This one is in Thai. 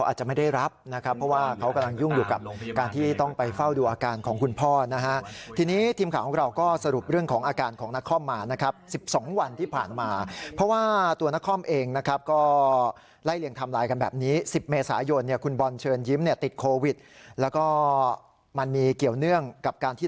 อาจจะไม่ได้รับนะครับเพราะว่าเขากำลังยุ่งอยู่กับการที่ต้องไปเฝ้าดูอาการของคุณพ่อนะฮะทีนี้ทีมข่าวของเราก็สรุปเรื่องของอาการของนครมานะครับ๑๒วันที่ผ่านมาเพราะว่าตัวนครเองนะครับก็ไล่เลี่ยงทำลายกันแบบนี้๑๐เมษายนเนี่ยคุณบอลเชิญยิ้มเนี่ยติดโควิดแล้วก็มันมีเกี่ยวเนื่องกับการที่